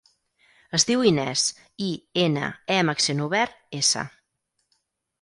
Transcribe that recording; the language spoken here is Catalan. Es diu Inès: i, ena, e amb accent obert, essa.